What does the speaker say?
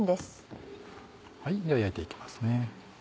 では焼いていきますね。